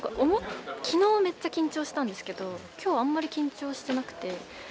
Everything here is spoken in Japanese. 昨日めっちゃ緊張したんですけど今日あんまり緊張してなくて。